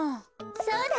そうだ！